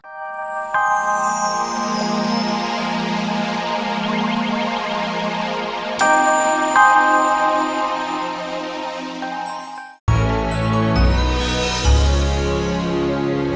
aku mau bayar seluruh biaya rumah sakit